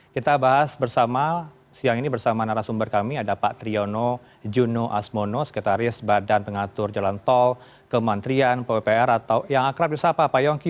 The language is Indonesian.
kita bahas bersama siang ini bersama narasumber kami ada pak triyono juno asmono sekretaris badan pengatur jalan tol kementerian pupr atau yang akrab di sapa pak yongki